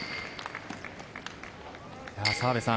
澤部さん